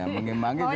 nah mengimbangi jelas